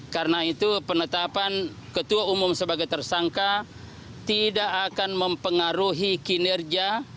karena itu penetapan ketua umum sebagai tersangka tidak akan mempengaruhi kinerja